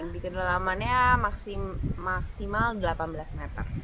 dikendalamannya maksimal delapan belas meter